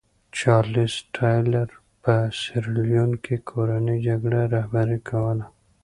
چارلېز ټایلر په سیریلیون کې کورنۍ جګړه رهبري کوله.